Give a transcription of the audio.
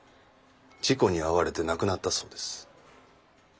事故に遭われて亡くなったそうです。